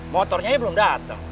motornya belum dateng